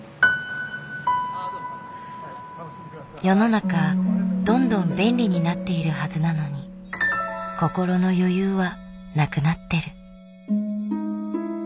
世の中どんどん便利になっているはずなのに心の余裕はなくなってる。